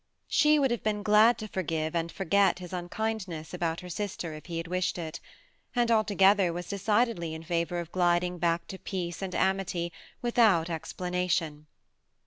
She would have been glad to forgive and forget his unkindness about her sister if he had wished it, and altogether was decidedly in £itvor of gliding back to peace and amity, without explanation.